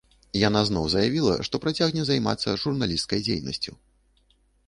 Яна зноў заявіла, што працягне займацца журналісцкай дзейнасцю.